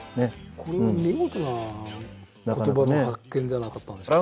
これは見事な言葉の発見じゃなかったんでしょうか？